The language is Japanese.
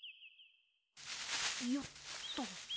よっと。